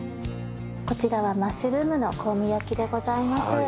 こちらはマッシュルームの香味焼きでございます。